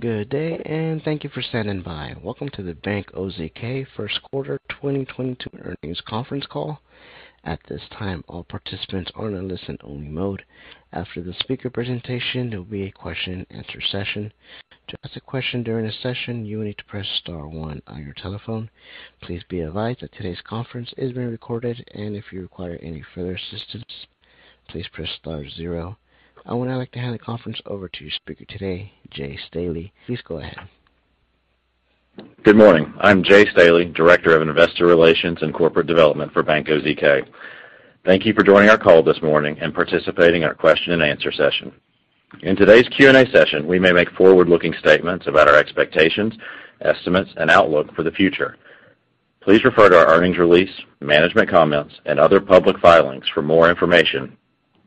Good day, and thank you for standing by. Welcome to the Bank OZK first quarter 2022 earnings conference call. At this time, all participants are in a listen only mode. After the speaker presentation, there'll be a question-and-answer session. To ask a question during this session, you will need to press star one on your telephone. Please be advised that today's conference is being recorded, and if you require any further assistance, please press star zero. I would now like to hand the conference over to your speaker today, Jay Staley. Please go ahead. Good morning. I'm Jay Staley, Director of Investor Relations and Corporate Development for Bank OZK. Thank you for joining our call this morning and participating in our question-and-answer session. In today's Q&A session, we may make forward-looking statements about our expectations, estimates, and outlook for the future. Please refer to our earnings release, management comments, and other public filings for more information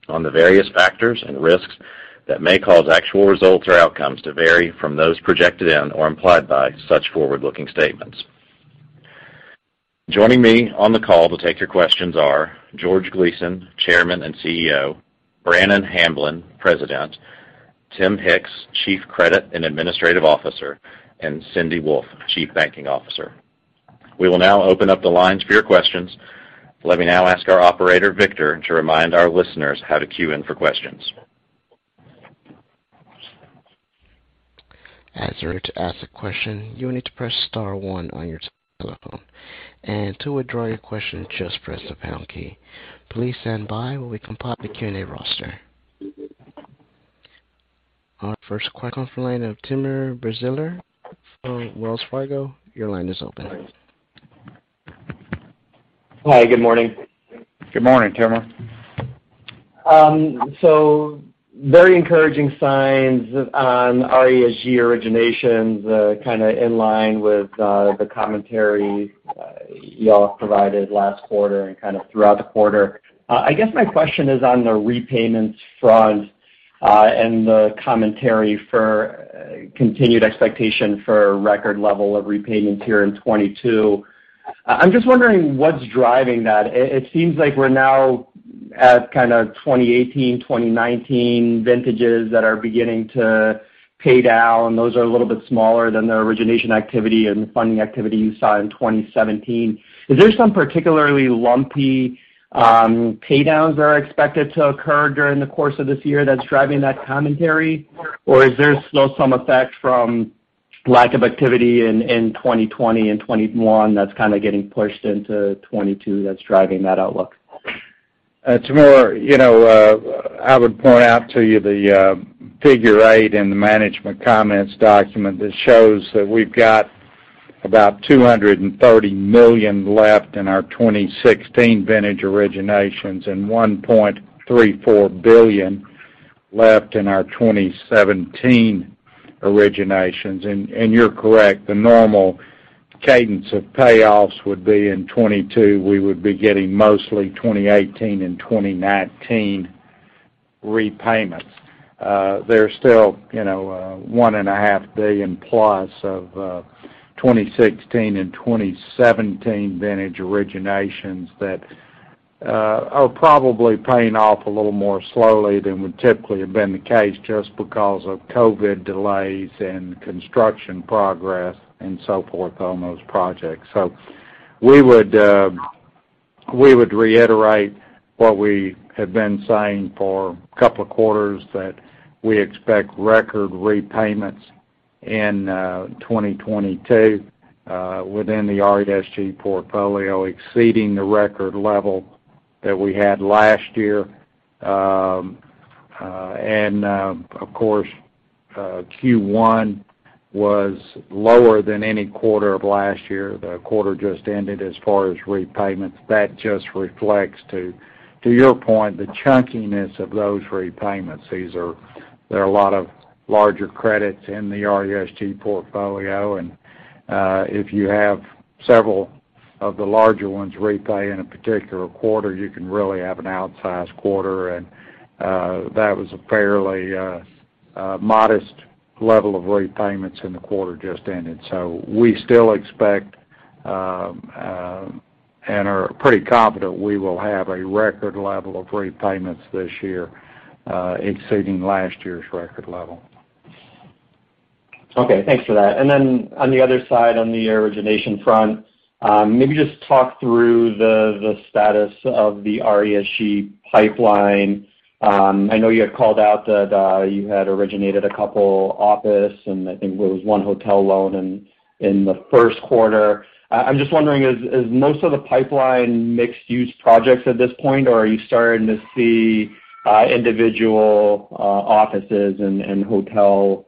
on the various factors and risks that may cause actual results or outcomes to vary from those projected in or implied by such forward-looking statements. Joining me on the call to take your questions are George Gleason, Chairman and CEO, Brannon Hamblen, President, Tim Hicks, Chief Credit and Administrative Officer, and Cindy Wolfe, Chief Banking Officer. We will now open up the lines for your questions. Let me now ask our operator, Victor, to remind our listeners how to queue in for questions. To ask a question, you will need to press star one on your telephone, and to withdraw your question, just press the pound key. Please stand by while we compile the Q&A roster. Our first question comes from the line of Timur Braziler from Wells Fargo. Your line is open. Hi. Good morning. Good morning, Timur. Very encouraging signs on RESG originations, kind of in line with the commentary you all provided last quarter and kind of throughout the quarter. I guess my question is on the repayments front, and the commentary for continued expectation for record level of repayments here in 2022. I'm just wondering what's driving that. It seems like we're now at kind of 2018, 2019 vintages that are beginning to pay down. Those are a little bit smaller than the origination activity and funding activity you saw in 2017. Is there some particularly lumpy pay downs that are expected to occur during the course of this year that's driving that commentary? Or is there still some effect from lack of activity in 2020 and 2021 that's kind of getting pushed into 2022 that's driving that outlook? Timur, you know, I would point out to you the Figure eight in the Management Comments document that shows that we've got about $230 million left in our 2016 vintage originations, and $1.34 billion left in our 2017 originations. You're correct, the normal cadence of payoffs would be in 2022, we would be getting mostly 2018 and 2019 repayments. They're still, you know, $1.5 billion+ of 2016 and 2017 vintage originations that are probably paying off a little more slowly than would typically have been the case just because of COVID delays and construction progress and so forth on those projects. We would reiterate what we have been saying for a couple of quarters, that we expect record repayments in 2022 within the RESG portfolio, exceeding the record level that we had last year. Of course, Q1 was lower than any quarter of last year, the quarter just ended, as far as repayments. That just reflects to your point, the chunkiness of those repayments. There are a lot of larger credits in the RESG portfolio. If you have several of the larger ones repay in a particular quarter, you can really have an outsized quarter. That was a fairly modest level of repayments in the quarter just ended. We still expect and are pretty confident we will have a record level of repayments this year, exceeding last year's record level. Okay, thanks for that. On the other side, on the origination front, maybe just talk through the status of the RESG pipeline. I know you had called out that you had originated a couple office and I think there was one hotel loan in the first quarter. I'm just wondering is most of the pipeline mixed use projects at this point, or are you starting to see individual offices and hotel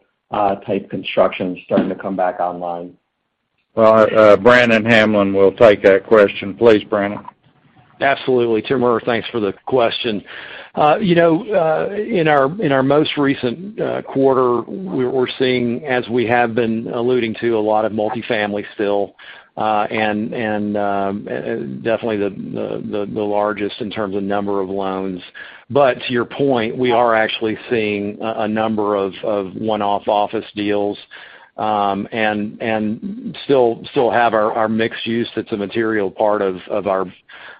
type construction starting to come back online? Well, Brannon Hamblen will take that question. Please, Brannon. Absolutely. Timur, thanks for the question. You know, in our most recent quarter, we're seeing as we have been alluding to a lot of multifamily still, and definitely the largest in terms of number of loans. But to your point, we are actually seeing a number of one-off office deals, and still have our mixed use that's a material part of our.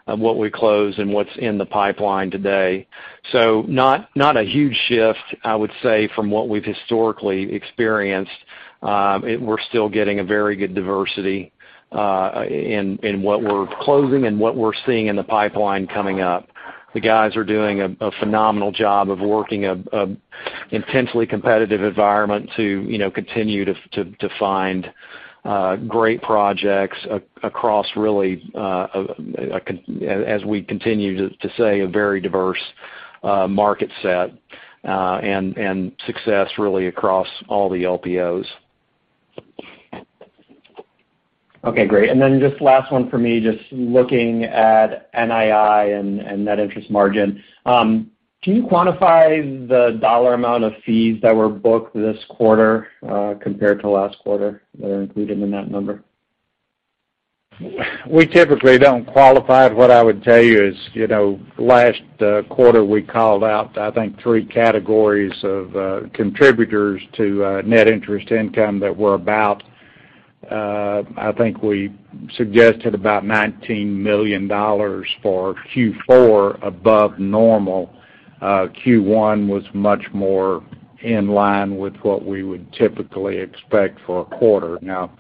Of what we close and what's in the pipeline today. Not a huge shift, I would say, from what we've historically experienced. We're still getting a very good diversity in what we're closing and what we're seeing in the pipeline coming up. The guys are doing a phenomenal job of working an intensely competitive environment to, you know, continue to find great projects across, really, as we continue to say, a very diverse market set, and success really across all the LPOs. Okay, great. Just last one for me, just looking at NII and net interest margin. Can you quantify the dollar amount of fees that were booked this quarter, compared to last quarter that are included in that number? We typically don't qualify. What I would tell you is, you know, last quarter, we called out, I think, three categories of contributors to net interest income that were about, I think we suggested about $19 million for Q4 above normal. Q1 was much more in line with what we would typically expect for a quarter. Now,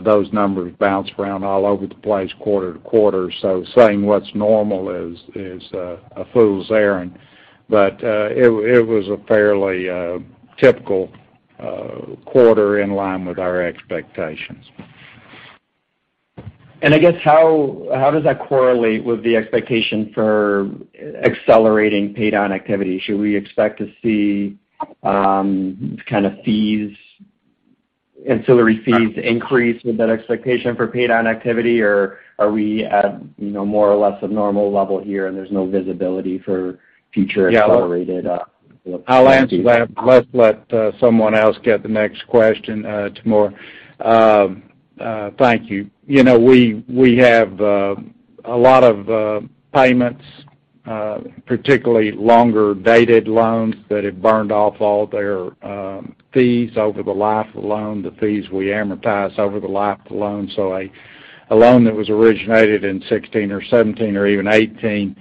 those numbers bounce around all over the place quarter-to-quarter, so saying what's normal is a fool's errand. But it was a fairly typical quarter in line with our expectations. I guess how does that correlate with the expectation for accelerating paydown activity? Should we expect to see kind of fees, ancillary fees increase with that expectation for paydown activity? Are we at, you know, more or less a normal level here and there's no visibility for future accelerated I'll answer that. Let's let someone else get the next question, Timur. Thank you. You know, we have a lot of payments, particularly longer-dated loans that have burned off all their fees over the life of the loan, the fees we amortize over the life of the loan. A loan that was originated in 2016 or 2017 or even 2018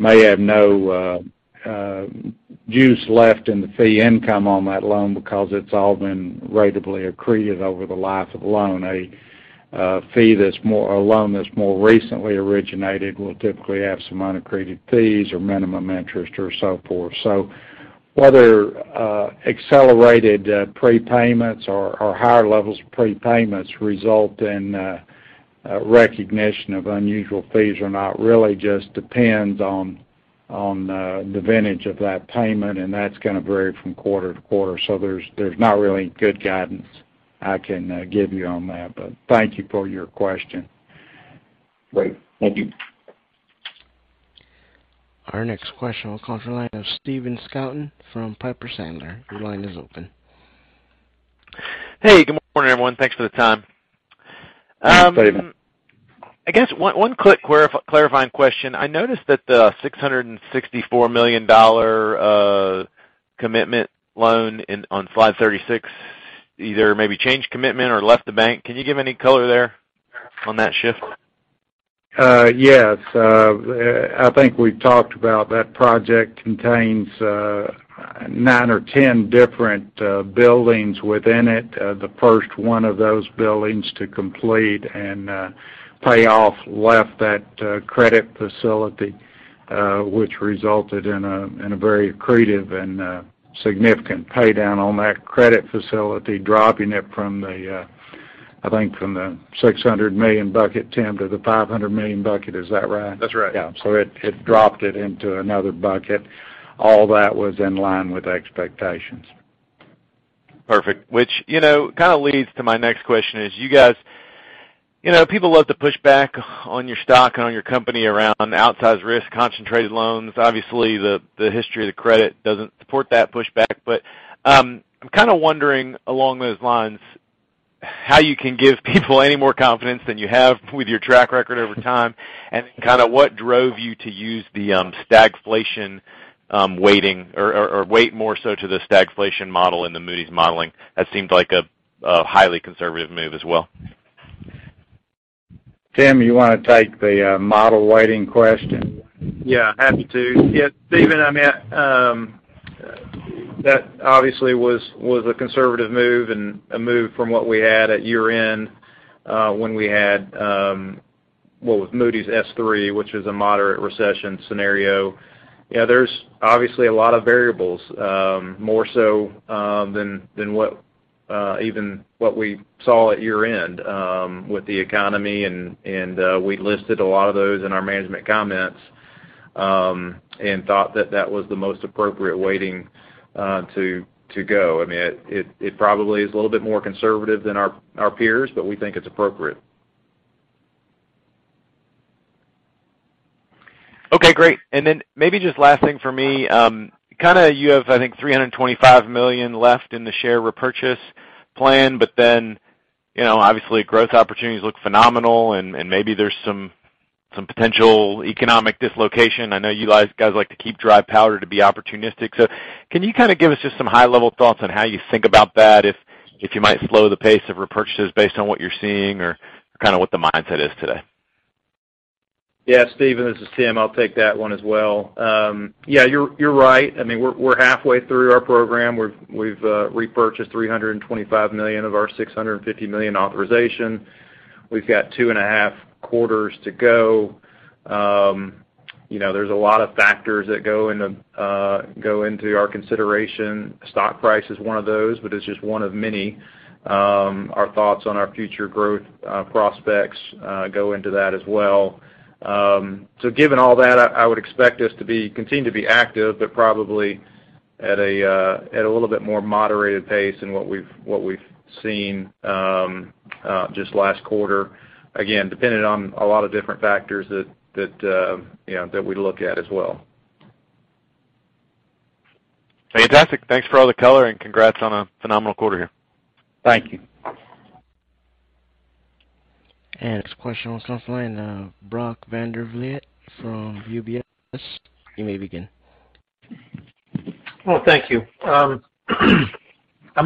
may have no juice left in the fee income on that loan because it's all been ratably accreted over the life of the loan. A loan that's more recently originated will typically have some unaccreted fees or minimum interest or so forth. Whether accelerated prepayments or higher levels of prepayments result in recognition of unusual fees or not really just depends on the vintage of that payment, and that's gonna vary from quarter to quarter. There's not really good guidance I can give you on that, but thank you for your question. Great. Thank you. Our next question will come from the line of Stephen Scouten from Piper Sandler. Your line is open. Hey, good morning, everyone. Thanks for the time. Good morning. I guess one quick clarifying question. I noticed that the $664 million commitment loan on slide 36 either maybe changed commitment or left the bank. Can you give any color there on that shift? Yes. I think we've talked about that project contains nine or 10 different buildings within it. The first one of those buildings to complete and pay off left that credit facility, which resulted in a very accretive and significant pay down on that credit facility, dropping it from the, I think, $600 million bucket, Tim, to the $500 million bucket. Is that right? That's right. Yeah. It dropped it into another bucket. All that was in line with expectations. Perfect. Which, you know, kind of leads to my next question is, you guys, you know, people love to push back on your stock and on your company around outsized risk, concentrated loans. Obviously, the history of the credit doesn't support that pushback. I'm kinda wondering along those lines, how you can give people any more confidence than you have with your track record over time, and then kinda what drove you to use the stagflation weighting or weight more so to the stagflation model in the Moody's modeling. That seemed like a highly conservative move as well. Tim, you wanna take the model weighting question? Yeah, happy to. Yeah, Stephen, I mean, that obviously was a conservative move and a move from what we had at year-end, when we had with Moody's S3, which is a moderate recession scenario. You know, there's obviously a lot of variables, more so than even what we saw at year-end, with the economy and we listed a lot of those in our management comments, and thought that was the most appropriate weighting to go. I mean, it probably is a little bit more conservative than our peers, but we think it's appropriate. Okay, great. Maybe just last thing for me, kinda you have, I think, $325 million left in the share repurchase plan, but then, you know, obviously growth opportunities look phenomenal and maybe there's some potential economic dislocation. I know you guys like to keep dry powder to be opportunistic. Can you kinda give us just some high-level thoughts on how you think about that if you might slow the pace of repurchases based on what you're seeing or kind of what the mindset is today? Yeah, Stephen, this is Tim. I'll take that one as well. Yeah, you're right. I mean, we're halfway through our program. We've repurchased $325 million of our $650 million authorization. We've got two and a half quarters to go. You know, there's a lot of factors that go into our consideration. Stock price is one of those, but it's just one of many. Our thoughts on our future growth prospects go into that as well. So given all that, I would expect us to be active, but probably at a little bit more moderated pace than what we've seen just last quarter. Again, depending on a lot of different factors that you know that we look at as well. Fantastic. Thanks for all the color, and congrats on a phenomenal quarter here. Thank you. Next question on the phone, Brock Vandervliet from UBS. You may begin. Well, thank you. I'm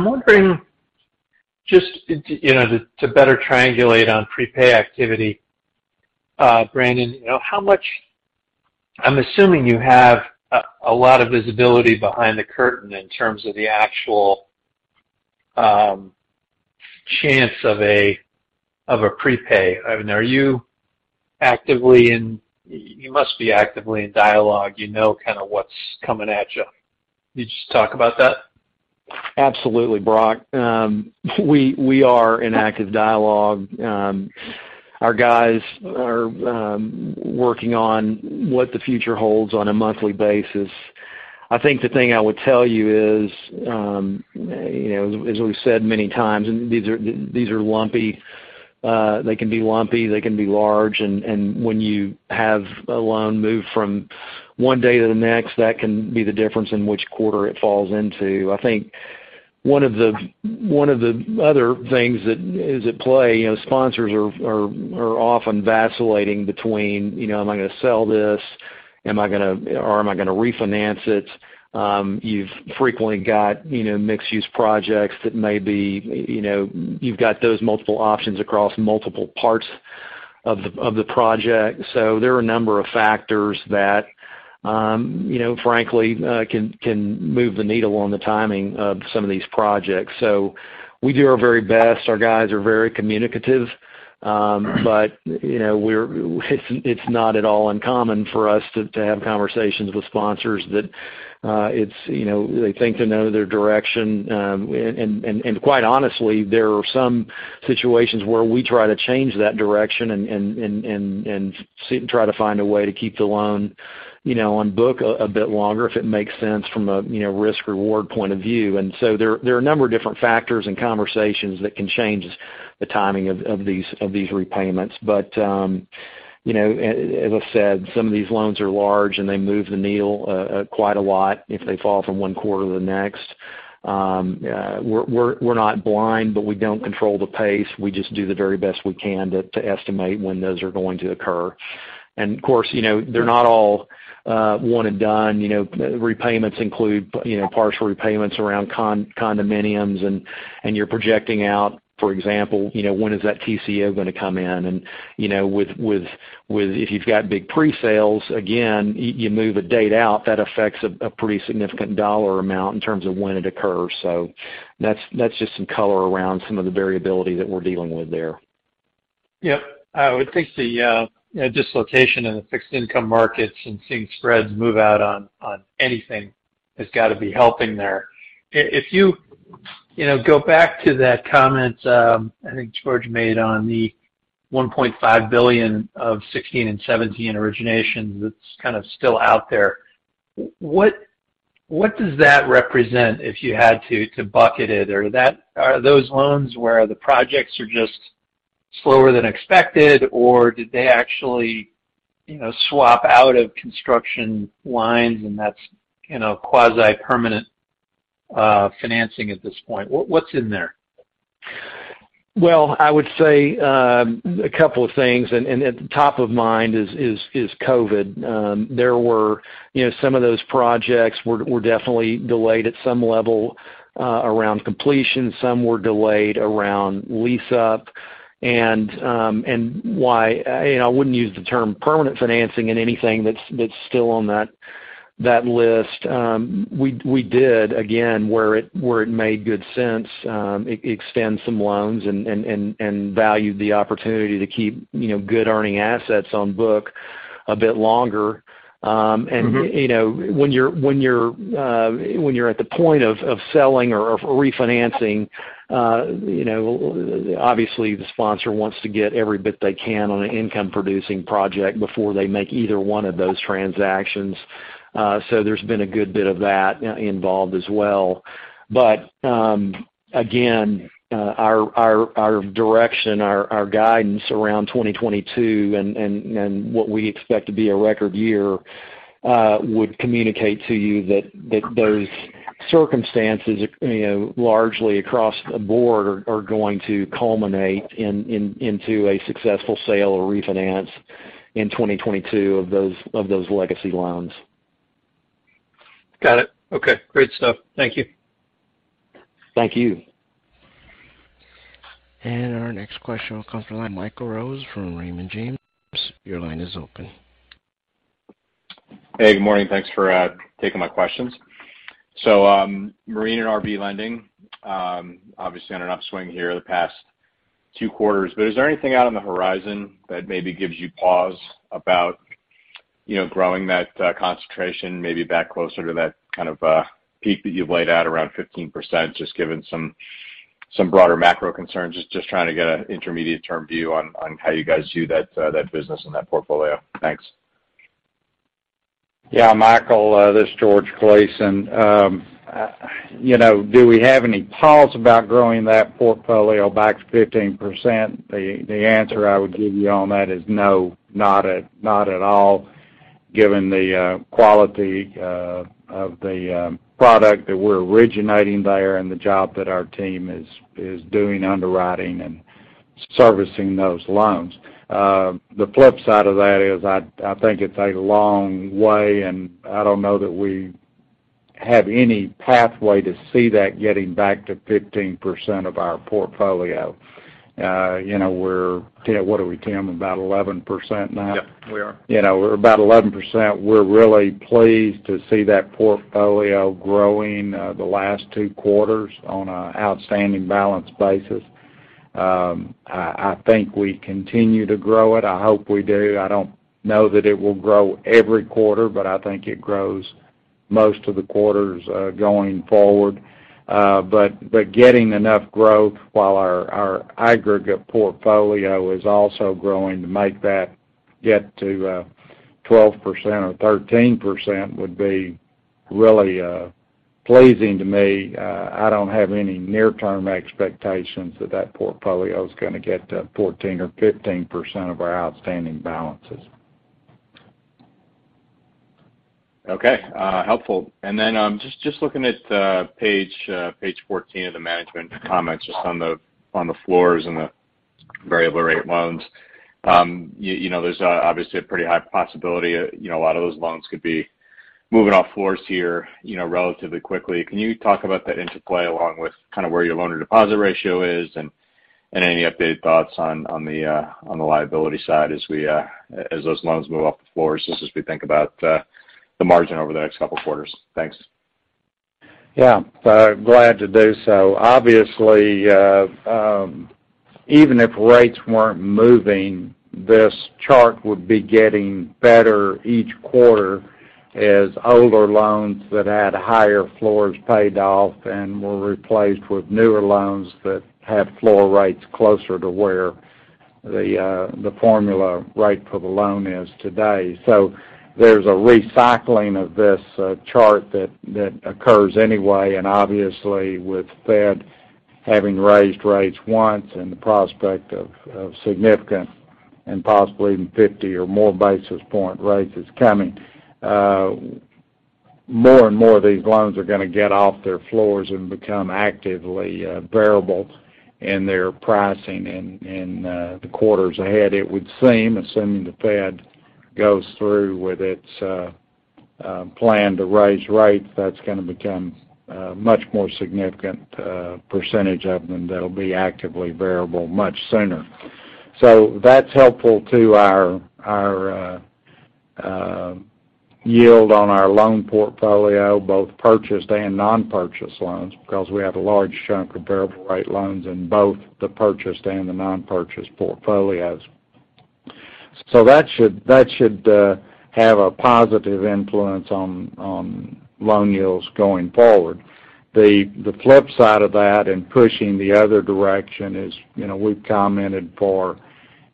wondering just to you know to better triangulate on prepay activity, Brannon, you know, how much I'm assuming you have a lot of visibility behind the curtain in terms of the actual chance of a prepay. I mean, you must be actively in dialogue, you know, kind of what's coming at you. Could you just talk about that? Absolutely, Brock Vandervliet. We are in active dialogue. Our guys are working on what the future holds on a monthly basis. I think the thing I would tell you is, you know, as we've said many times, and these are lumpy. They can be lumpy, they can be large. When you have a loan move from one day to the next, that can be the difference in which quarter it falls into. I think one of the other things that is at play, you know, sponsors are often vacillating between, you know, am I gonna sell this? Am I gonna, or am I gonna refinance it? You've frequently got, you know, mixed use projects that may be, you know, you've got those multiple options across multiple parts of the project. There are a number of factors that, you know, frankly, can move the needle on the timing of some of these projects. We do our very best. Our guys are very communicative. You know, it's not at all uncommon for us to have conversations with sponsors that it's, you know, they think they know their direction. Quite honestly, there are some situations where we try to change that direction and see and try to find a way to keep the loan, you know, on book a bit longer if it makes sense from a risk reward point of view. There are a number of different factors and conversations that can change the timing of these repayments. You know, as I said, some of these loans are large, and they move the needle quite a lot if they fall from one quarter to the next. We're not blind, but we don't control the pace. We just do the very best we can to estimate when those are going to occur. Of course, you know, they're not all one and done. You know, repayments include partial repayments around condominiums. You're projecting out, for example, you know, when is that TCO gonna come in? You know, if you've got big pre-sales, again, you move a date out, that affects a pretty significant dollar amount in terms of when it occurs. That's just some color around some of the variability that we're dealing with there. Yep. I would think the dislocation in the fixed income markets and seeing spreads move out on anything has got to be helping there. If you go back to that comment, I think George made on the $1.5 billion of 2016 and 2017 originations that's kind of still out there. What does that represent if you had to bucket it? Are those loans where the projects are just slower than expected, or did they actually swap out of construction lines, and that's quasi-permanent financing at this point? What's in there? Well, I would say a couple of things, and at the top of mind is COVID. There were, you know, some of those projects were definitely delayed at some level around completion, some were delayed around lease up. Why you know I wouldn't use the term permanent financing in anything that's still on that list. We did, again, where it made good sense, extend some loans and valued the opportunity to keep, you know, good earning assets on book a bit longer. Mm-hmm. You know, when you're at the point of selling or refinancing, you know, obviously the sponsor wants to get every bit they can on an income-producing project before they make either one of those transactions. There's been a good bit of that involved as well. Again, our direction, our guidance around 2022 and what we expect to be a record year would communicate to you that those circumstances, you know, largely across the board are going to culminate into a successful sale or refinance in 2022 of those legacy loans. Got it. Okay, great stuff. Thank you. Thank you. Our next question will come from Michael Rose from Raymond James. Your line is open. Hey, good morning. Thanks for taking my questions. Marine and RV lending obviously on an upswing here the past two quarters. Is there anything out on the horizon that maybe gives you pause about, you know, growing that concentration maybe back closer to that kind of peak that you've laid out around 15%, just given some broader macro concerns? Just trying to get an intermediate term view on how you guys view that business and that portfolio. Thanks. Yeah, Michael, this is George Gleason. You know, do we have any pulse about growing that portfolio back to 15%? The answer I would give you on that is no, not at all, given the quality of the product that we're originating there and the job that our team is doing underwriting and servicing those loans. The flip side of that is, I think it's a long way, and I don't know that we have any pathway to see that getting back to 15% of our portfolio. You know, Tim, what are we, about 11% now? Yep, we are. You know, we're about 11%. We're really pleased to see that portfolio growing, the last two quarters on an outstanding balance basis. I think we continue to grow it. I hope we do. I don't know that it will grow every quarter, but I think it grows most of the quarters, going forward. Getting enough growth while our aggregate portfolio is also growing to make that get to 12% or 13% would be really pleasing to me. I don't have any near-term expectations that that portfolio's gonna get to 14% or 15% of our outstanding balances. Okay. Helpful. Then, just looking at page 14 of the management comments just on the floors and the variable rate loans. You know, there's obviously a pretty high possibility, you know, a lot of those loans could be moving off floors here, you know, relatively quickly. Can you talk about that interplay along with kind of where your loan to deposit ratio is, and any updated thoughts on the liability side as we, as those loans move off the floors just as we think about the margin over the next couple quarters? Thanks. Yeah, glad to do so. Obviously, even if rates weren't moving, this chart would be getting better each quarter as older loans that had higher floors paid off and were replaced with newer loans that have floor rates closer to where the formula rate for the loan is today. There's a recycling of this chart that occurs anyway, and obviously with Fed having raised rates once and the prospect of significant and possibly even 50 or more basis point raises coming, more and more of these loans are gonna get off their floors and become actively variable in their pricing in the quarters ahead. It would seem, assuming the Fed goes through with its plan to raise rates, that's gonna become a much more significant percentage of them that'll be actively variable much sooner. That's helpful to our yield on our loan portfolio, both purchased and non-purchased loans, because we have a large chunk of variable rate loans in both the purchased and the non-purchased portfolios. That should have a positive influence on loan yields going forward. The flip side of that and pushing the other direction is, you know, we've commented for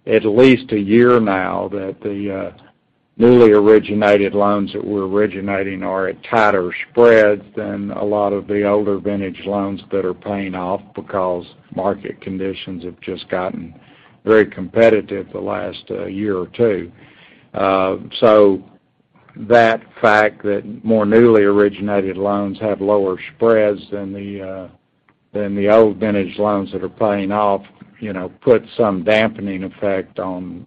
at least a year now that the newly originated loans that we're originating are at tighter spreads than a lot of the older vintage loans that are paying off because market conditions have just gotten very competitive the last year or two. That fact that more newly originated loans have lower spreads than the old vintage loans that are paying off, you know, put some dampening effect on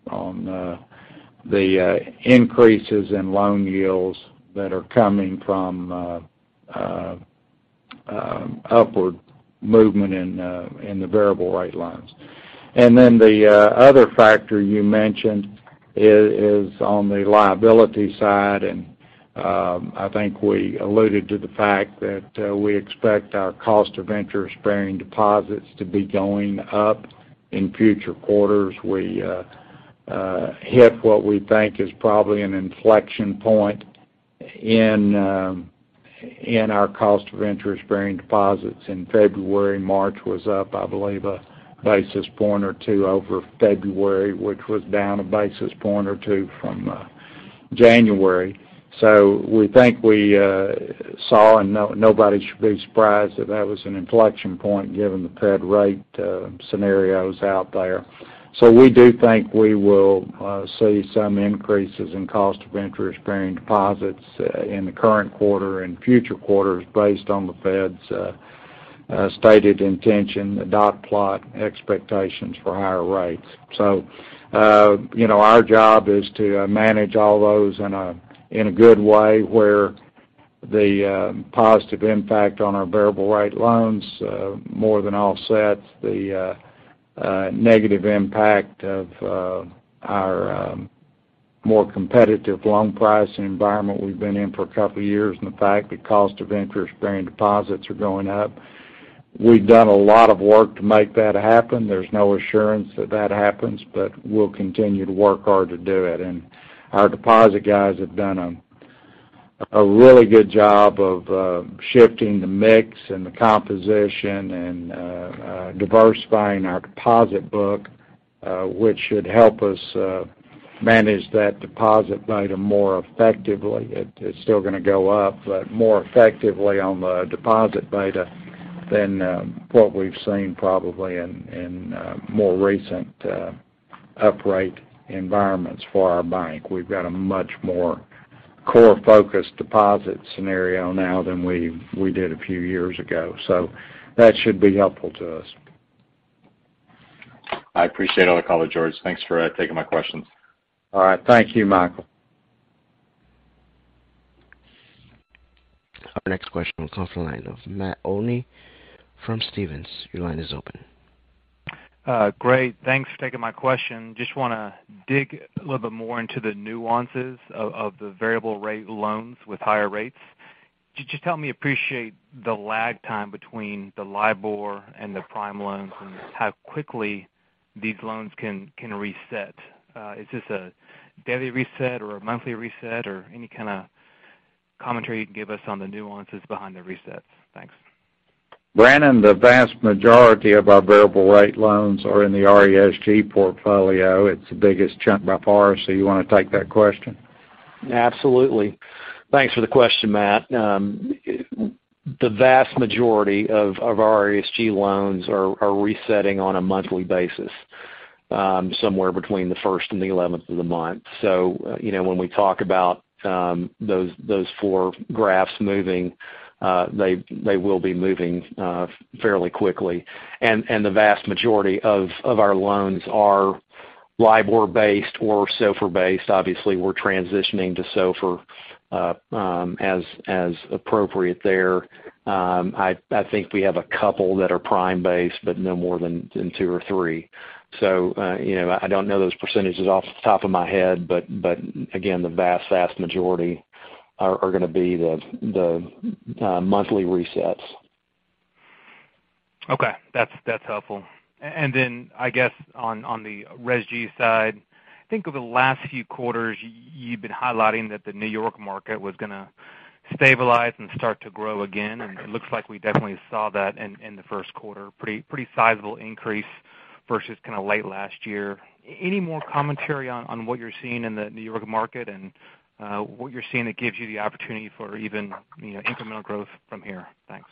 the increases in loan yields that are coming from upward movement in the variable rate loans. The other factor you mentioned is on the liability side, and I think we alluded to the fact that we expect our cost of interest-bearing deposits to be going up in future quarters. We hit what we think is probably an inflection point in our cost of interest-bearing deposits in February. March was up, I believe, a basis point or two over February, which was down a basis point or two from January. We think we saw, and nobody should be surprised that that was an inflection point given the Fed rate scenarios out there. We do think we will see some increases in cost of interest-bearing deposits in the current quarter and future quarters based on the Fed's stated intention, the dot plot expectations for higher rates. You know, our job is to manage all those in a good way where the positive impact on our variable rate loans more than offsets the negative impact of our more competitive loan pricing environment we've been in for a couple years, and the fact the cost of interest-bearing deposits are going up. We've done a lot of work to make that happen. There's no assurance that happens, but we'll continue to work hard to do it. Our deposit guys have done a really good job of shifting the mix and the composition and diversifying our deposit book, which should help us manage that deposit beta more effectively. It's still gonna go up, but more effectively on the deposit beta than what we've seen probably in more recent uprate environments for our bank. We've got a much more core-focused deposit scenario now than we did a few years ago. That should be helpful to us. I appreciate all the color, George. Thanks for taking my questions. All right. Thank you, Michael. Our next question comes from the line of Matt Olney from Stephens. Your line is open. Great. Thanks for taking my question. Just wanna dig a little bit more into the nuances of the variable rate loans with higher rates. Could you just help me appreciate the lag time between the LIBOR and the prime loans, and how quickly these loans can reset? Is this a daily reset or a monthly reset? Or any kinda commentary you can give us on the nuances behind the resets? Thanks. Brannon, the vast majority of our variable rate loans are in the RESG portfolio. It's the biggest chunk by far. You wanna take that question? Absolutely. Thanks for the question, Matt. The vast majority of our RESG loans are resetting on a monthly basis, somewhere between the first and the eleventh of the month. You know, when we talk about those four graphs moving, they will be moving fairly quickly. The vast majority of our loans are LIBOR-based or SOFR-based. Obviously, we're transitioning to SOFR as appropriate there. I think we have a couple that are prime-based, but no more than two or three. You know, I don't know those percentages off the top of my head, but again, the vast majority are gonna be the monthly resets. Okay, that's helpful. I guess on the RESG side, I think over the last few quarters, you've been highlighting that the New York market was gonna stabilize and start to grow again. It looks like we definitely saw that in the first quarter, pretty sizable increase versus kinda late last year. Any more commentary on what you're seeing in the New York market and what you're seeing that gives you the opportunity for even, you know, incremental growth from here? Thanks.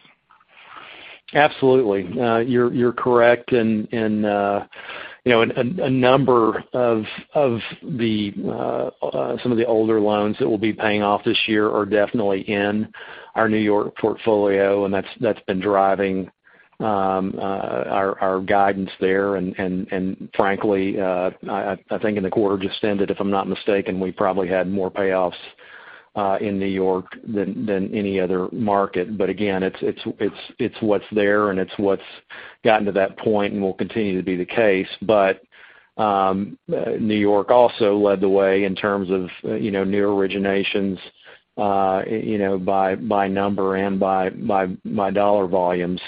Absolutely. You're correct. You know, a number of some of the older loans that will be paying off this year are definitely in our New York portfolio, and that's been driving our guidance there. Frankly, I think in the quarter just ended, if I'm not mistaken, we probably had more payoffs in New York than any other market. Again, it's what's there and it's what's gotten to that point and will continue to be the case. New York also led the way in terms of you know, new originations you know, by dollar volume.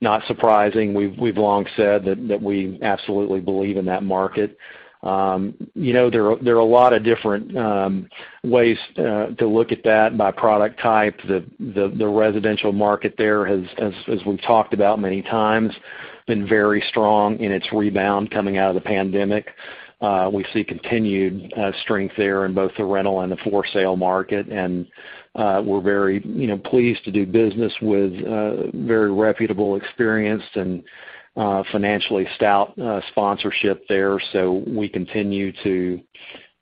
Not surprising. We've long said that we absolutely believe in that market. You know, there are a lot of different ways to look at that by product type. The residential market there has, as we've talked about many times, been very strong in its rebound coming out of the pandemic. We see continued strength there in both the rental and the for sale market. We're very, you know, pleased to do business with a very reputable, experienced, and financially stout sponsorship there. We continue to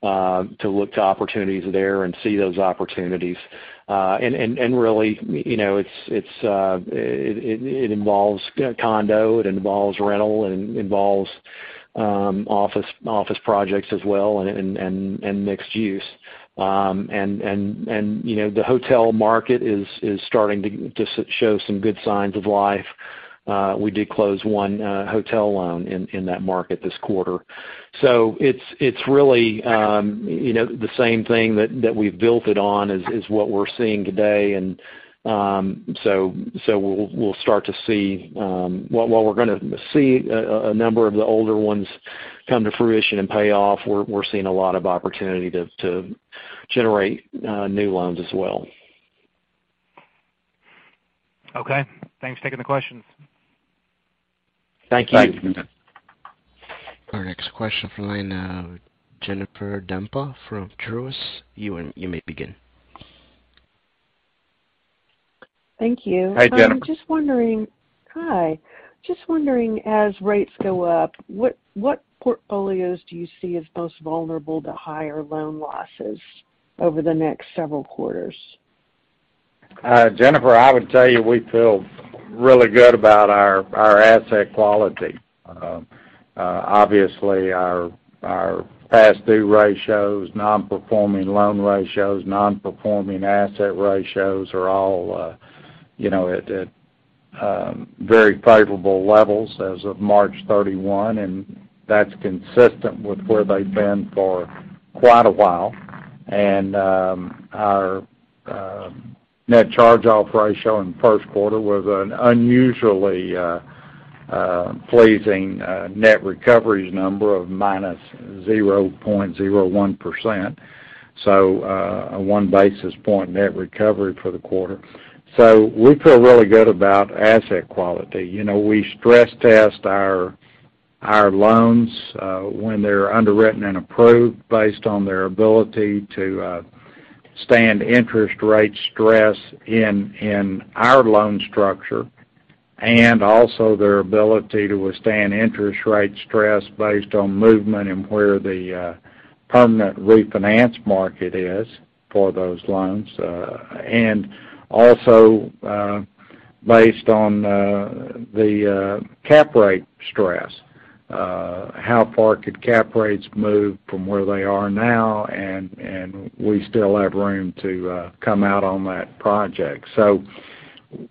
look to opportunities there and see those opportunities. Really, you know, it involves condo, rental, and office projects as well, and mixed use. You know, the hotel market is starting to just show some good signs of life. We did close one hotel loan in that market this quarter. It's really you know the same thing that we've built it on is what we're seeing today. We'll start to see, while we're gonna see a number of the older ones come to fruition and pay off, we're seeing a lot of opportunity to generate new loans as well. Okay, thanks for taking the questions. Thank you. Thanks. Our next question from the line of Jennifer Demba from Truist. You may begin. Thank you. Hi, Jennifer. Just wondering, as rates go up, what portfolios do you see as most vulnerable to higher loan losses? Over the next several quarters. Jennifer, I would tell you, we feel really good about our asset quality. Obviously, our past due ratios, non-performing loan ratios, non-performing asset ratios are all, you know, at very favorable levels as of March 31, and that's consistent with where they've been for quite a while. Our net charge-off ratio in first quarter was an unusually pleasing net recoveries number of -0.01%. A 1 basis point net recovery for the quarter. We feel really good about asset quality. You know, we stress test our loans when they're underwritten and approved based on their ability to stand interest rate stress in our loan structure, and also their ability to withstand interest rate stress based on movement and where the permanent refinance market is for those loans. Also based on the cap rate stress, how far could cap rates move from where they are now, and we still have room to come out on that project.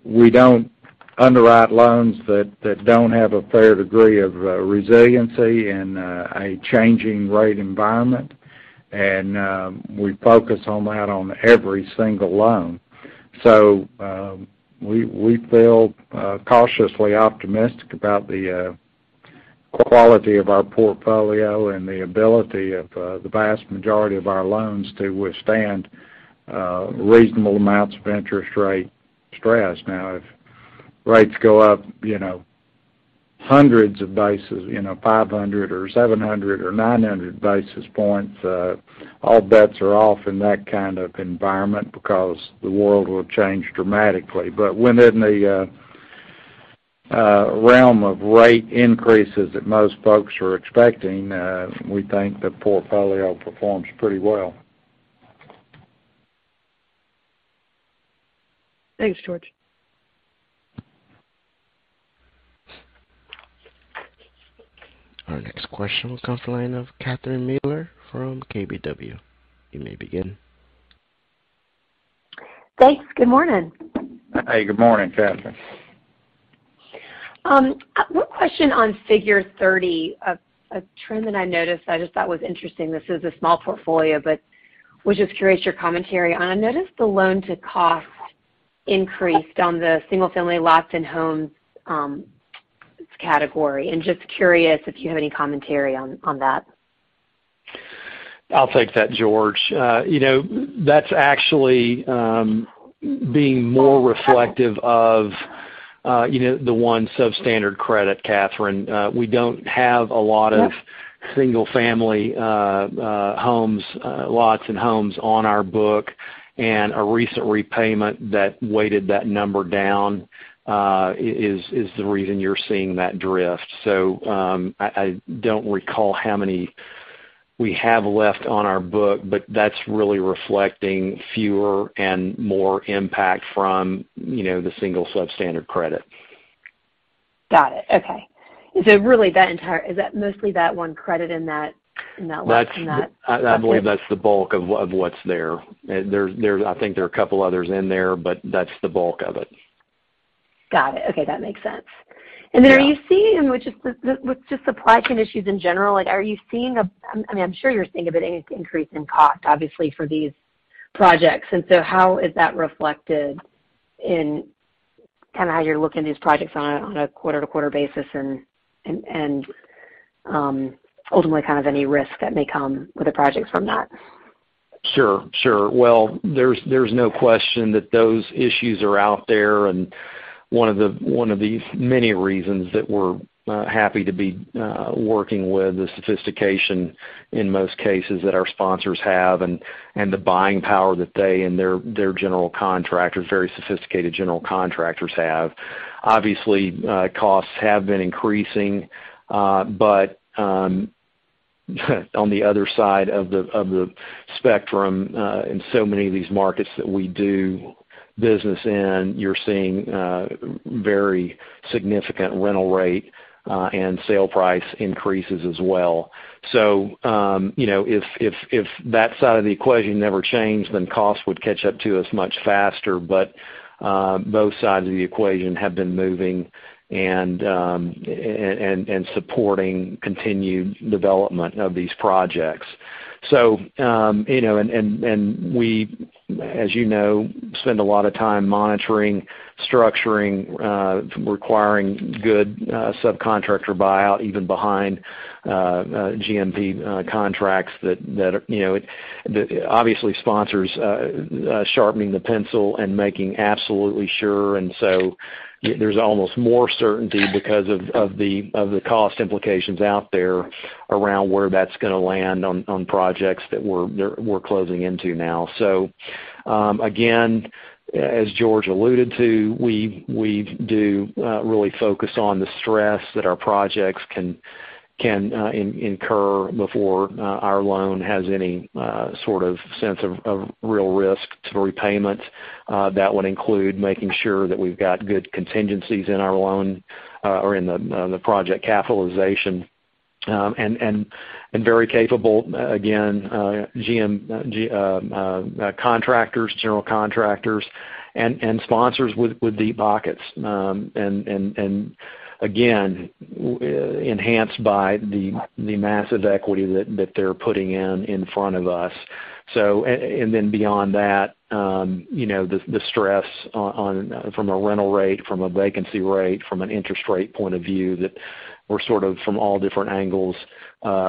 We don't underwrite loans that don't have a fair degree of resiliency in a changing rate environment. We focus on that on every single loan. We feel cautiously optimistic about the quality of our portfolio and the ability of the vast majority of our loans to withstand reasonable amounts of interest rate stress. Now, if rates go up, you know, hundreds of basis points, you know, 500 or 700 or 900 basis points, all bets are off in that kind of environment because the world will change dramatically. Within the realm of rate increases that most folks are expecting, we think the portfolio performs pretty well. Thanks, George. Our next question will come from the line of Catherine Mealor from KBW. You may begin. Thanks. Good morning. Hey, good morning, Catherine. One question on Figure 30, a trend that I noticed. I just thought was interesting. This is a small portfolio, but I was just curious your commentary on. I noticed the loan to cost increased on the single family lots and homes category, and just curious if you have any commentary on that. I'll take that, George. You know, that's actually being more reflective of, you know, the one substandard credit, Catherine. We don't have a lot of- Yeah. Single family homes, lots and homes on our book. A recent repayment that weighted that number down is the reason you're seeing that drift. I don't recall how many we have left on our book, but that's really reflecting fewer and more impact from, you know, the single substandard credit. Got it. Okay. Is that mostly that one credit in that, in that list from that- That's, I believe, that's the bulk of what's there. There's, I think there are a couple others in there, but that's the bulk of it. Got it. Okay. That makes sense. Yeah. Are you seeing with just supply chain issues in general, like, I mean, I'm sure you're seeing a bit of an increase in cost, obviously, for these projects. How is that reflected in kind of how you're looking at these projects on a quarter-to-quarter basis and ultimately kind of any risk that may come with the projects from that? Sure, sure. Well, there's no question that those issues are out there, and one of the many reasons that we're happy to be working with the sophistication, in most cases, that our sponsors have and the buying power that they and their general contractors, very sophisticated general contractors have. Obviously, costs have been increasing, but on the other side of the spectrum, in so many of these markets that we do business in, you're seeing very significant rental rate and sale price increases as well. You know, if that side of the equation never changed, then costs would catch up to us much faster. Both sides of the equation have been moving and supporting continued development of these projects. You know, we, as you know, spend a lot of time monitoring, structuring, requiring good subcontractor buyout, even behind GMP contracts that, you know, that obviously sponsors sharpening the pencil and making absolutely sure. There's almost more certainty because of the cost implications out there around where that's gonna land on projects that we're closing into now. Again, as George alluded to, we do really focus on the stress that our projects can incur before our loan has any sort of sense of real risk to repayments. That would include making sure that we've got good contingencies in our loan or in the project capitalization, and very capable, again, general contractors and sponsors with deep pockets. And again, enhanced by the massive equity that they're putting in front of us. And then beyond that, you know, the stress on from a rental rate, from a vacancy rate, from an interest rate point of view, that we're sort of from all different angles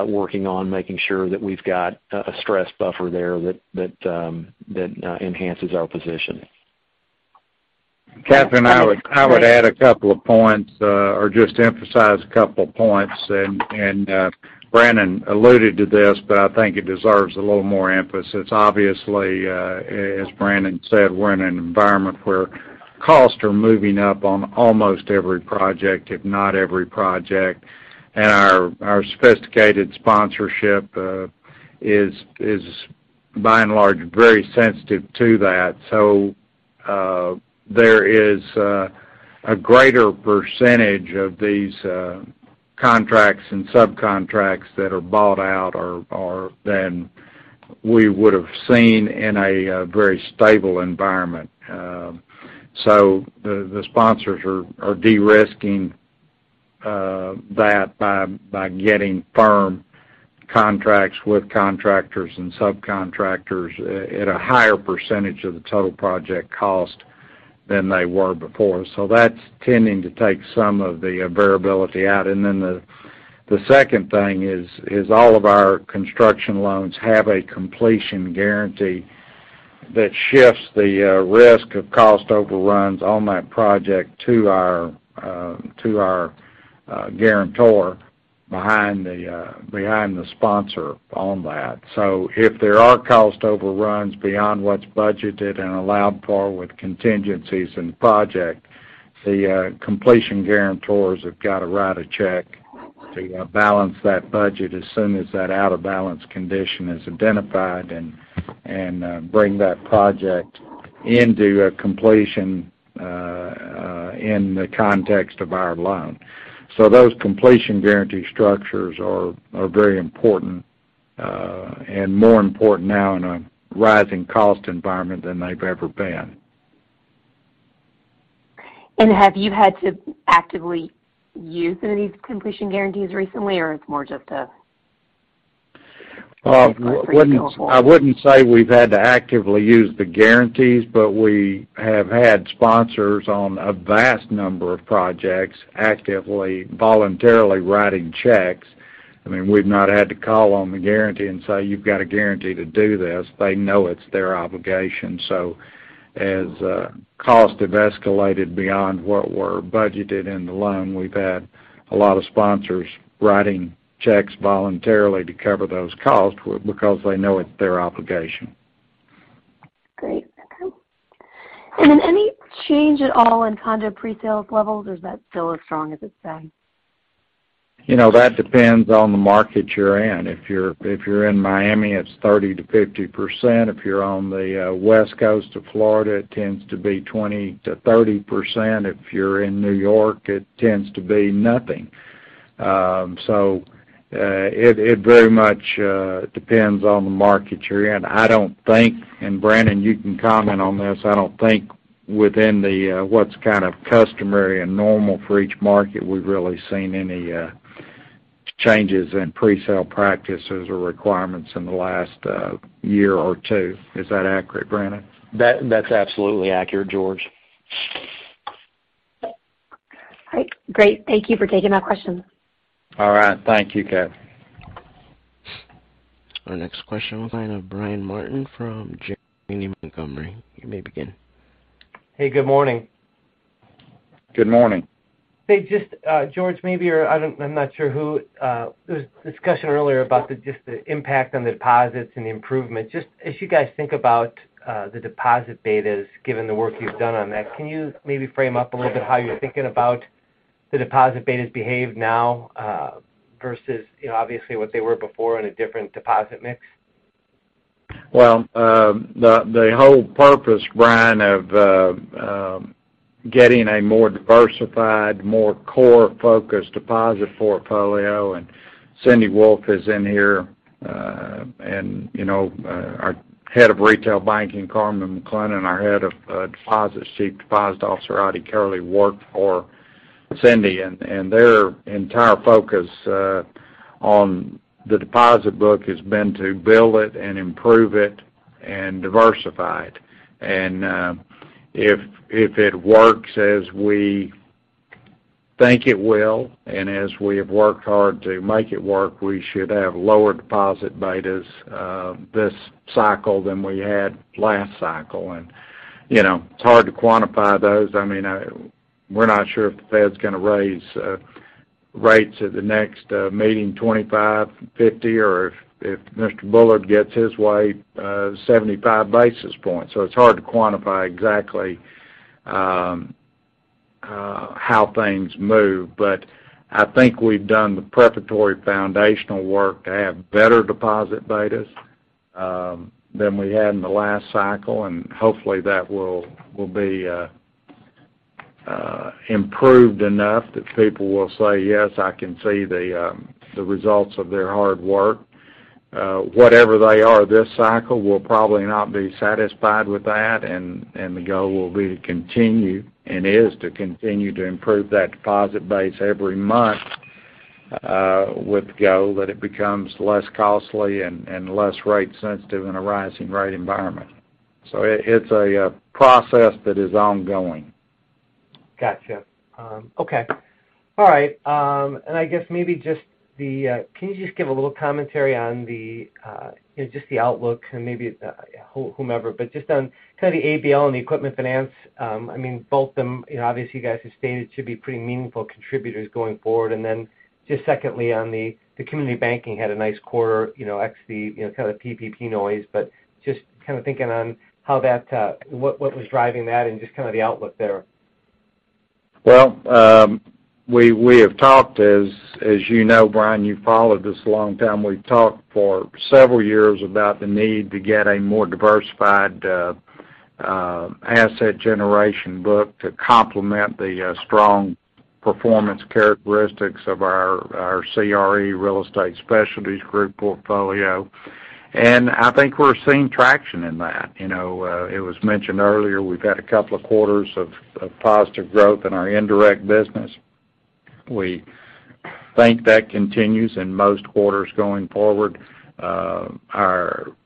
working on making sure that we've got a stress buffer there that enhances our position. Catherine, I would add a couple of points or just to emphasize a couple points. Brannon alluded to this, but I think it deserves a little more emphasis. Obviously, as Brannon said, we're in an environment where costs are moving up on almost every project, if not every project. Our sophisticated sponsorship is by and large very sensitive to that. There is a greater percentage of these contracts and subcontracts that are bought out or than we would've seen in a very stable environment. The sponsors are de-risking that by getting firm contracts with contractors and subcontractors at a higher percentage of the total project cost than they were before. That's tending to take some of the variability out. The second thing is all of our construction loans have a completion guarantee that shifts the risk of cost overruns on that project to our guarantor behind the sponsor on that. So if there are cost overruns beyond what's budgeted and allowed for with contingencies in the project, the completion guarantors have got to write a check to balance that budget as soon as that out-of-balance condition is identified, and bring that project into a completion in the context of our loan. So those completion guarantee structures are very important, and more important now in a rising cost environment than they've ever been. Have you had to actively use any of these completion guarantees recently, or it's more just a going forward? I wouldn't say we've had to actively use the guarantees, but we have had sponsors on a vast number of projects actively, voluntarily writing checks. I mean, we've not had to call on the guarantee and say, "You've got a guarantee to do this." They know it's their obligation. As costs have escalated beyond what were budgeted in the loan, we've had a lot of sponsors writing checks voluntarily to cover those costs because they know it's their obligation. Great. Okay. Any change at all in condo presales levels, or is that still as strong as it's been? You know, that depends on the market you're in. If you're in Miami, it's 30%-50%. If you're on the west coast of Florida, it tends to be 20%-30%. If you're in New York, it tends to be nothing. It very much depends on the market you're in. I don't think, and Brannon, you can comment on this, I don't think within the what's kind of customary and normal for each market, we've really seen any changes in presale practices or requirements in the last year or two. Is that accurate, Brannon? That, that's absolutely accurate, George. All right. Great. Thank you for taking my question. All right. Thank you, Cat. Our next question comes from Brian Martin from Janney Montgomery Scott. You may begin. Hey, good morning. Good morning. Hey, just George, maybe, or I don't know who. There was discussion earlier about just the impact on the deposits and the improvement. Just as you guys think about the deposit betas, given the work you've done on that, can you maybe frame up a little bit how you're thinking about the deposit betas behave now, versus, you know, obviously what they were before in a different deposit mix? Well, the whole purpose, Brian, of getting a more diversified, more core-focused deposit portfolio, and Cindy Wolfe is in here. You know, our head of retail banking, Carmen McClennon, our head of deposit, Chief Deposit Officer, Ottie Kerley, work for Cindy. Their entire focus on the deposit book has been to build it and improve it and diversify it. If it works as we think it will, and as we have worked hard to make it work, we should have lower deposit betas this cycle than we had last cycle. You know, it's hard to quantify those. I mean, we're not sure if the Fed's gonna raise rates at the next meeting, 25, 50, or if Mr. Bullard gets his way, 75 basis points. It's hard to quantify exactly how things move. I think we've done the preparatory foundational work to have better deposit betas than we had in the last cycle, and hopefully that will be improved enough that people will say, "Yes, I can see the results of their hard work." Whatever they are this cycle, we'll probably not be satisfied with that, and the goal will be to continue, and is to continue to improve that deposit base every month, with the goal that it becomes less costly and less rate sensitive in a rising rate environment. It's a process that is ongoing. Gotcha. Okay. All right. I guess maybe just the, can you just give a little commentary on the, you know, just the outlook and maybe, whomever, but just on kind of the ABL and the equipment finance, I mean, both them, you know, obviously, you guys have stated to be pretty meaningful contributors going forward. Then just secondly, on the community banking had a nice quarter, you know, ex the, you know, kind of PPP noise, but just kind of thinking on how that, what was driving that and just kind of the outlook there. Well, we have talked, as you know, Brian, you've followed this a long time, we've talked for several years about the need to get a more diversified asset generation book to complement the strong performance characteristics of our CRE Real Estate Specialties Group portfolio. I think we're seeing traction in that. You know, it was mentioned earlier, we've had a couple of quarters of positive growth in our indirect business. We think that continues in most quarters going forward.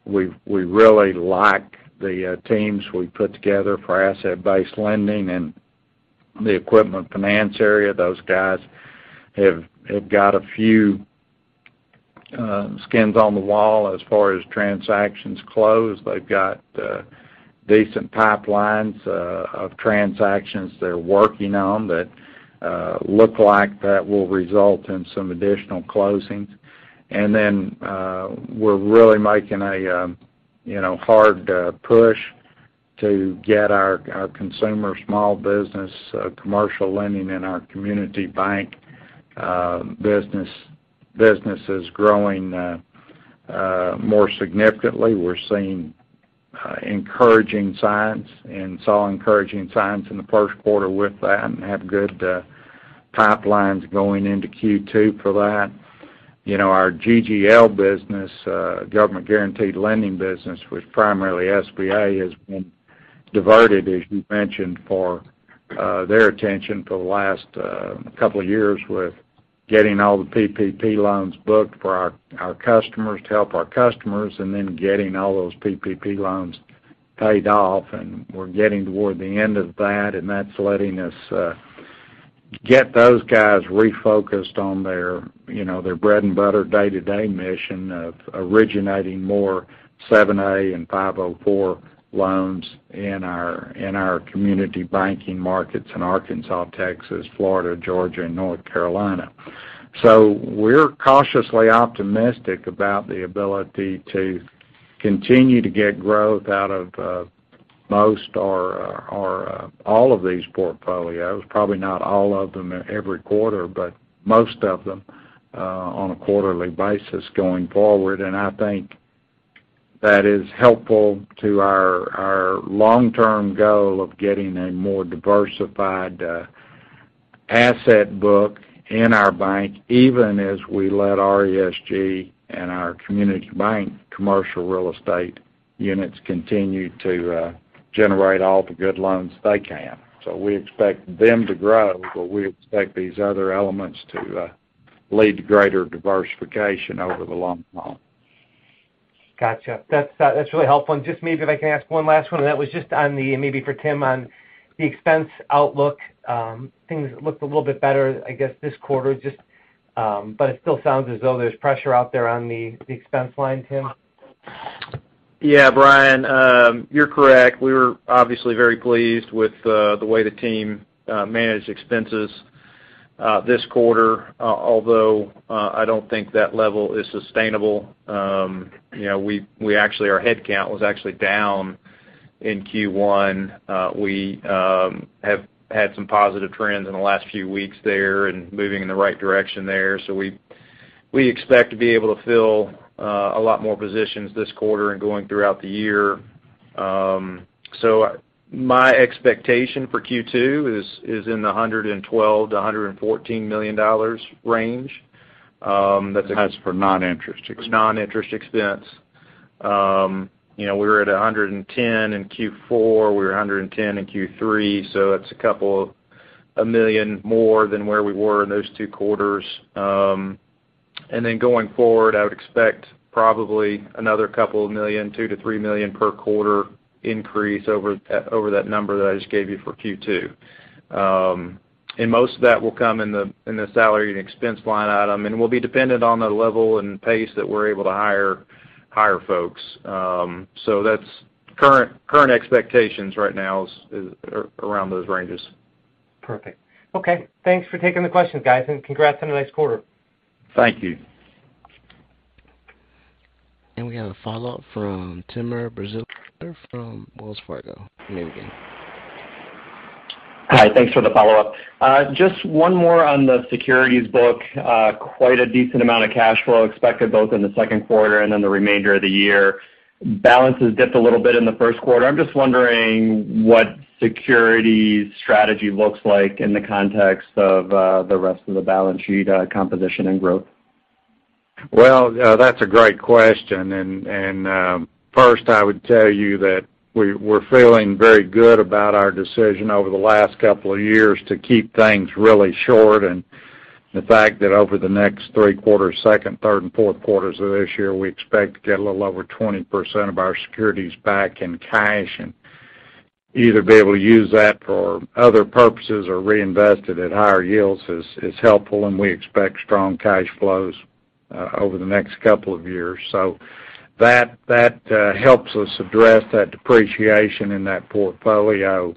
We really like the teams we put together for asset-based lending and the equipment finance area. Those guys have got a few skins on the wall as far as transactions closed. They've got decent pipelines of transactions they're working on that look like that will result in some additional closings. We're really making a you know hard push to get our consumer small business commercial lending in our community bank businesses growing more significantly. We're seeing encouraging signs and saw encouraging signs in the first quarter with that and have good pipelines going into Q2 for that. You know, our GGL business government guaranteed lending business, which primarily SBA, has been diverted, as you mentioned, for their attention for the last couple of years with getting all the PPP loans booked for our customers to help our customers, and then getting all those PPP loans paid off. We're getting toward the end of that, and that's letting us get those guys refocused on their, you know, their bread and butter day-to-day mission of originating more 7A and 504 loans in our community banking markets in Arkansas, Texas, Florida, Georgia, and North Carolina. We're cautiously optimistic about the ability to continue to get growth out of most or all of these portfolios. Probably not all of them at every quarter, but most of them on a quarterly basis going forward. I think that is helpful to our long-term goal of getting a more diversified asset book in our bank, even as we let RESG and our community bank commercial real estate units continue to generate all the good loans they can. We expect them to grow, but we expect these other elements to lead to greater diversification over the long haul. Gotcha. That's really helpful. Just maybe if I can ask one last one, that was just on the maybe for Tim on the expense outlook. Things looked a little bit better, I guess, this quarter, but it still sounds as though there's pressure out there on the expense line, Tim. Yeah. Brian, you're correct. We were obviously very pleased with the way the team managed expenses this quarter, although I don't think that level is sustainable. We actually, our head count was actually down in Q1. We have had some positive trends in the last few weeks there and moving in the right direction there. We expect to be able to fill a lot more positions this quarter and going throughout the year. My expectation for Q2 is in the $112 million-$114 million range, that's- That's for non-interest expense. For noninterest expense. You know, we were at $110 million in Q4. We were $110 million in Q3, so it's $2 million more than where we were in those two quarters. Going forward, I would expect probably another $2 million-$3 million per quarter increase over that number that I just gave you for Q2. Most of that will come in the salary and expense line item, and will be dependent on the level and pace that we're able to hire folks. That's current expectations right now is around those ranges. Perfect. Okay. Thanks for taking the questions, guys, and congrats on a nice quarter. Thank you. We have a follow-up from Timur Braziler from Wells Fargo. You may begin. Hi. Thanks for the follow-up. Just one more on the securities book. Quite a decent amount of cash flow expected both in the second quarter and then the remainder of the year. Balance has dipped a little bit in the first quarter. I'm just wondering what securities strategy looks like in the context of the rest of the balance sheet, composition and growth. Well, that's a great question. First, I would tell you that we're feeling very good about our decision over the last couple of years to keep things really short, and the fact that over the next three quarters, second, third, and fourth quarters of this year, we expect to get a little over 20% of our securities back in cash and either be able to use that for other purposes or reinvest it at higher yields is helpful, and we expect strong cash flows over the next couple of years. That helps us address that depreciation in that portfolio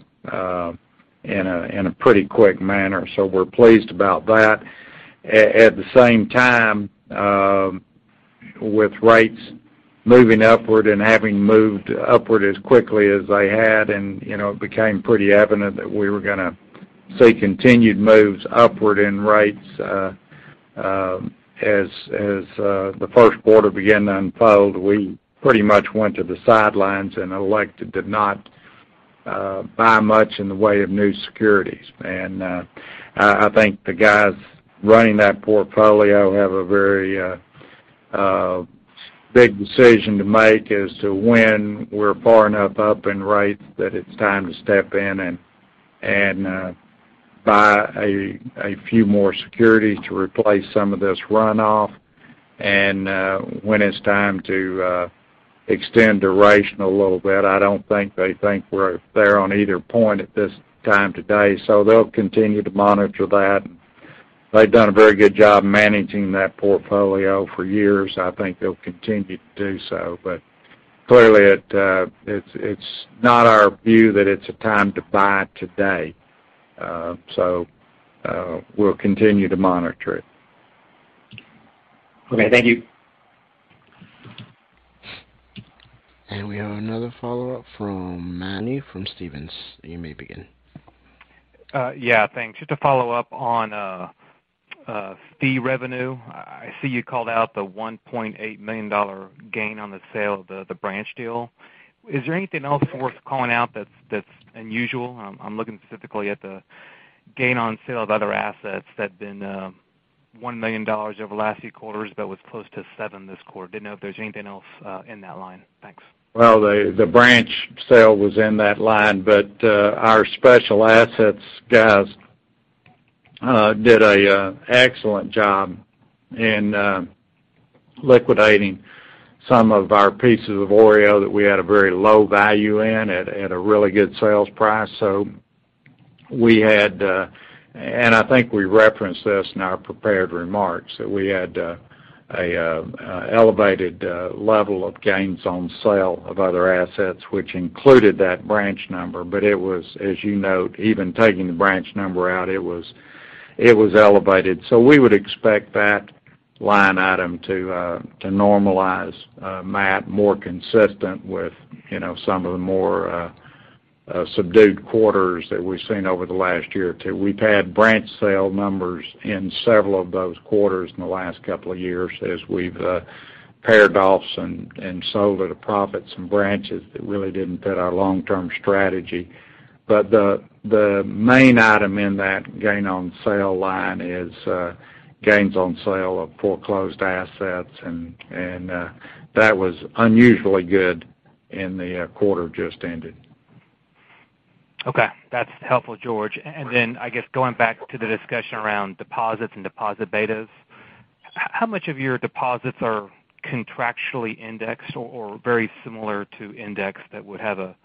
in a pretty quick manner. We're pleased about that. At the same time, with rates moving upward and having moved upward as quickly as they had and, you know, it became pretty evident that we were gonna see continued moves upward in rates, as the first quarter began to unfold, we pretty much went to the sidelines and elected to not buy much in the way of new securities. I think the guys running that portfolio have a very big decision to make as to when we're far enough up in rates that it's time to step in and buy a few more securities to replace some of this runoff. When it's time to extend duration a little bit, I don't think they think we're there on either point at this time today. They'll continue to monitor that. They've done a very good job managing that portfolio for years. I think they'll continue to do so. Clearly, it's not our view that it's a time to buy today. We'll continue to monitor it. Okay, thank you. We have another follow-up from Matt Olney from Stephens. You may begin. Yeah, thanks. Just to follow up on fee revenue. I see you called out the $1.8 million gain on the sale of the branch deal. Is there anything else worth calling out that's unusual? I'm looking specifically at the gain on sale of other assets that have been $1 million over the last few quarters, but was close to $7 million this quarter. Didn't know if there's anything else in that line. Thanks. The branch sale was in that line, but our special assets guys did an excellent job in liquidating some of our pieces of OREO that we had a very low value in at a really good sales price. We had, and I think we referenced this in our prepared remarks, that we had an elevated level of gains on sale of other assets, which included that branch number. It was, as you note, even taking the branch number out, it was elevated. We would expect that line item to normalize, Matt, more consistent with, you know, some of the more subdued quarters that we've seen over the last year or two. We've had branch sale numbers in several of those quarters in the last couple of years as we've pared off and sold at a profit some branches that really didn't fit our long-term strategy. The main item in that gain on sale line is gains on sale of foreclosed assets and that was unusually good in the quarter just ended. Okay. That's helpful, George. I guess going back to the discussion around deposits and deposit betas, how much of your deposits are contractually indexed or very similar to index that would have a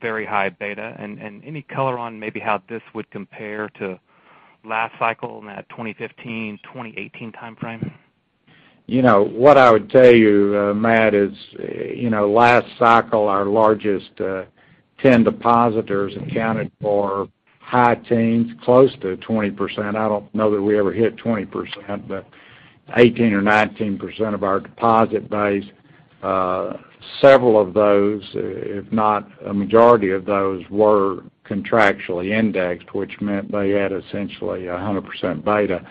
very high beta? Any color on maybe how this would compare to last cycle in that 2015, 2018 timeframe? You know what I would tell you, Matt, is, you know, last cycle, our largest 10 depositors accounted for high teens, close to 20%. I don't know that we ever hit 20%, but 18% or 19% of our deposit base. Several of those, if not a majority of those, were contractually indexed, which meant they had essentially 100% beta.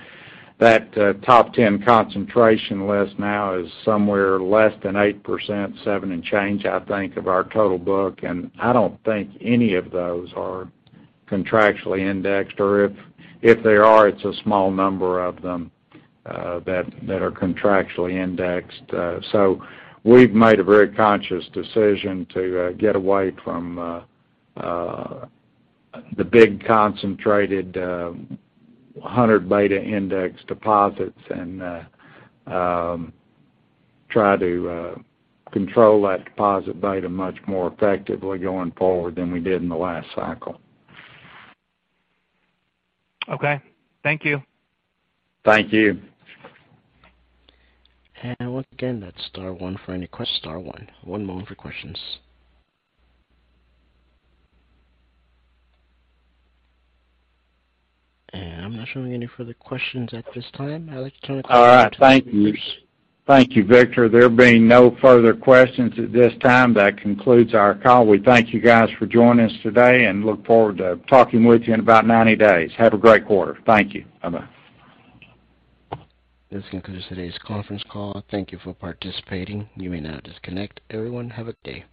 That top 10 concentration list now is somewhere less than 8%, 7 and change, I think, of our total book, and I don't think any of those are contractually indexed, or if they are, it's a small number of them that are contractually indexed. We've made a very conscious decision to get away from the big concentrated 100 beta index deposits and try to control that deposit beta much more effectively going forward than we did in the last cycle. Okay. Thank you. Thank you. Once again, that's star one for any questions. Star one. One moment for questions. I'm not showing any further questions at this time. I'd like to turn the call over to- All right. Thank you. Thank you, Victor. There being no further questions at this time, that concludes our call. We thank you guys for joining us today and look forward to talking with you in about 90 days. Have a great quarter. Thank you. Bye-bye. This concludes today's conference call. Thank you for participating. You may now disconnect. Everyone, have a good day.